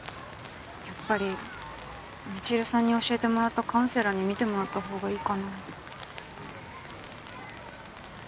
やっぱり未知留さんに教えてもらったカウンセラーにみてもらったほうがいいかな？